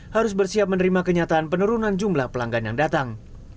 harus bersiap menerima kenyataan penurunan jumlah pelanggan yang datang